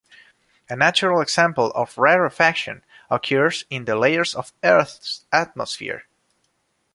A natural example of rarefaction occurs in the layers of Earth's atmosphere.